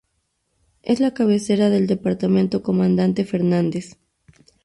Es la cabecera del departamento Comandante Fernández.